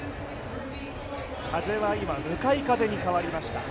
風は今、向かい風に変わりました。